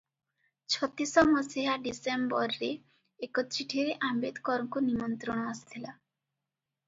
ଛତିଶ ମସିହା ଡିସେମ୍ବରରେ ଏକ ଚିଠିରେ ଆମ୍ବେଦକରଙ୍କୁ ନିମନ୍ତ୍ରଣ ଆସିଥିଲା ।